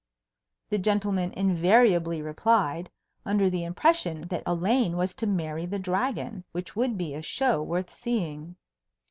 the gentleman invariably replied, under the impression that Elaine was to marry the Dragon, which would be a show worth seeing.